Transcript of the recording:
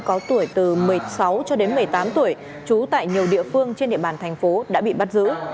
có tuổi từ một mươi sáu cho đến một mươi tám tuổi trú tại nhiều địa phương trên địa bàn thành phố đã bị bắt giữ